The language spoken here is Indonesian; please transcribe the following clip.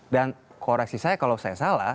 dan koreksi saya kalau saya salah